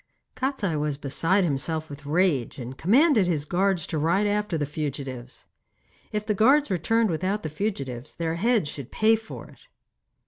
Kostiei was beside himself with rage, and commanded his guards to ride after the fugitives. If the guards returned without the fugitives, their heads should pay for it.